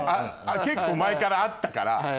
結構前からあったから。